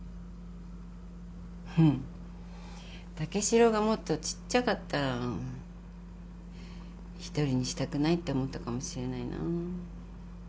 フッ武四郎がもっとちっちゃかったら一人にしたくないって思ったかもしれないなあ。